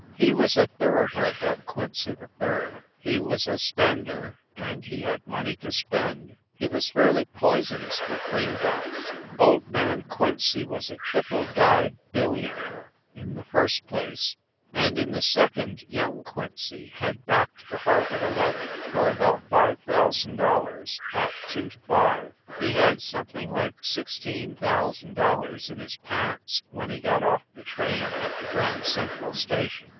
He was a thoroughbred, that Quincy 3d. He was a spender, and he had money to spend. He WYCHERLEY COURT 245 was fairly poisonous with greenbacks. Old man Quincy was a triple dyed billionaire, in the first place; and in the second, young Quincy had backed the Harvard eleven for about $5,000 at 2 to 5. He had something like $16,000 in his pants when he got off the train at the Grand Central Station.